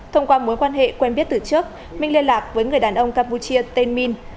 do mối quan hệ quen biết từ trước minh liên lạc với người đàn ông campuchia tên minh